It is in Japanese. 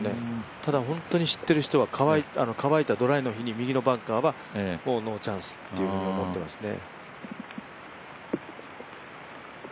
ただ、本当に知ってる人は乾いたドライの日に右のバンカーはノーチャンスと思ってますね。